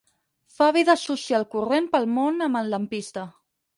Fa vida social corrent pel món amb el lampista.